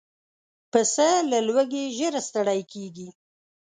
پسه له لوږې ژر ستړی کېږي.